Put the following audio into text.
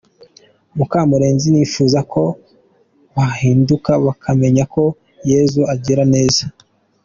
Mukamurenzi : Nifuza ko bahinduka bakamenya ko Yesu agira neza.